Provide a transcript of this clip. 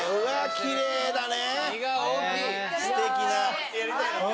きれいだね